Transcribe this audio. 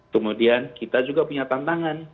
kemudian kita juga punya tantangan